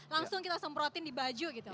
langsung kita semprotin di baju gitu